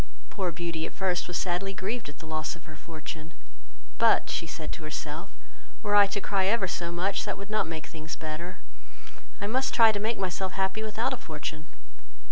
Poor Beauty at first was sadly grieved at the loss of her fortune; "but, (she said to herself,) were I to cry ever so much, that would not make things better, I must try to make myself happy without a fortune."